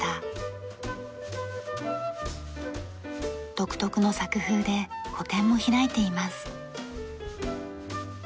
独特の作風で個展も開いています。